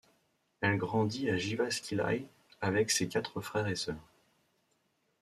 Elle grandit à Jyväskylä avec ses quatre frères et sœurs.